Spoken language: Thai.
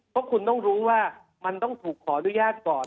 เพราะคุณต้องรู้ว่ามันต้องถูกขออนุญาตก่อน